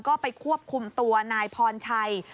ก็ไปควบคุมตัวนายพรชัย